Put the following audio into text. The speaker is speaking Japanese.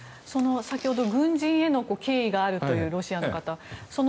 先ほど軍人への敬意があるという、ロシアの方は。